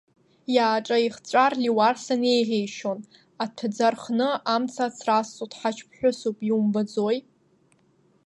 Иааҿахиҵәар Леуарсан еиӷьеишьон, аҭәаӡа рхны амца ацразҵо ҭҳаџь ԥҳәысуп, иумбаӡои?